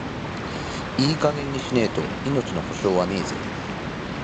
いい加減にしねえと、命の保証はねえぜ。